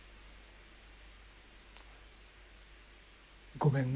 ごめんね。